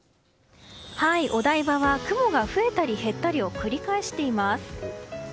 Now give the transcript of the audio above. お台場は雲が増えたり減ったりを繰り返しています。